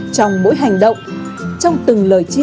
trong mỗi hành động trong từng lời tri ân